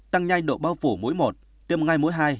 tăng nhanh độ bao phủ mỗi một tiêm ngay mũi hai